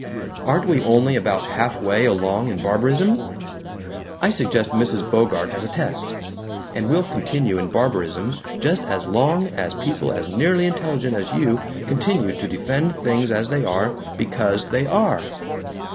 Aren't we only about half way along in barbarism? I suggest Mrs. Bogart as a test. And we'll continue in barbarism just as long as people as nearly intelligent as you continue to defend things as they are because they are."